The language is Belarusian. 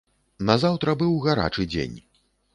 Назаўтра быў гарачы дзень.